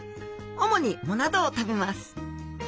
主に藻などを食べます。